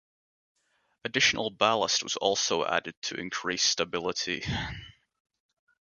Additional ballast was also added to increase stability.